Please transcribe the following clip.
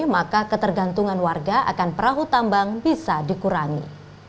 maka ketergantungan warga akan perahu tambang bisa dikurangi